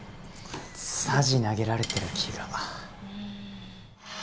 さじ投げられてる気が。